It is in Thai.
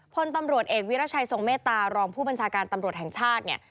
พลตำรวจเอกวิรัชัยทรงเมตตารองผู้บัญชาการตำรวจแห่งชาติเนี่ย